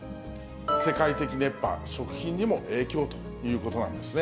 世界的熱波、食品にも影響ということなんですね。